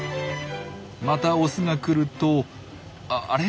またオスが来るとあれ？